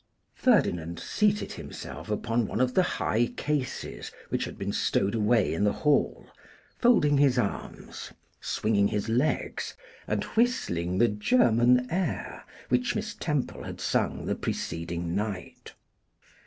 Ferdinand seated himself upon one of the high cases which had been stowed away in the hall, folding his arms, swinging his legs, and whistling the German air which Miss Temple had sung the preceding night.